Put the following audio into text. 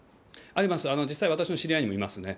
あります、実際、私の知り合いにもいますね。